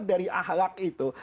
dari ahlak itu